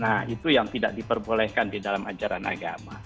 nah itu yang tidak diperbolehkan di dalam ajaran agama